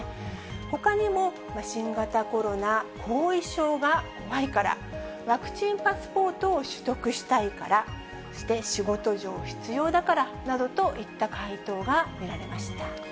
ほかにも、新型コロナ後遺症が怖いから、ワクチンパスポートを取得したいから、そして仕事上必要だからなどといった回答が見られました。